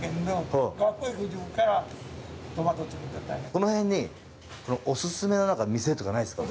この辺にお勧めの店とかないですか。